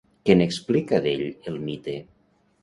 Què n'explica, d'ell, el mite?